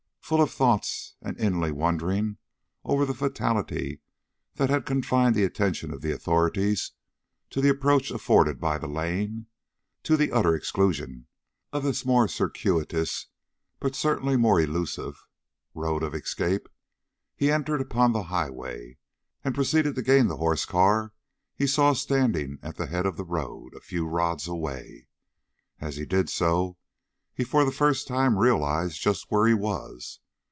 Full of thoughts and inly wondering over the fatality that had confined the attention of the authorities to the approaches afforded by the lane, to the utter exclusion of this more circuitous, but certainly more elusive, road of escape, he entered upon the highway, and proceeded to gain the horse car he saw standing at the head of the road, a few rods away. As he did so, he for the first time realized just where he was.